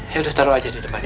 yaudah taruh aja di depan ya